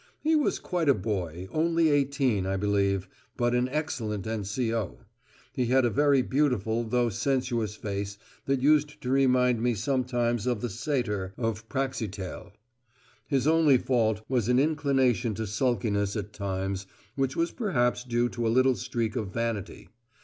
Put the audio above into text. He was quite a boy, only eighteen, I believe, but an excellent N.C.O. He had a very beautiful though sensuous face that used to remind me sometimes of the "Satyr" of Praxiteles. His only fault was an inclination to sulkiness at times, which was perhaps due to a little streak of vanity.